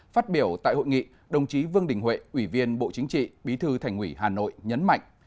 phát biểu tại hội nghị đồng chí vương đình huệ ủy viên bộ chính trị bí thư thành ủy hà nội nhấn mạnh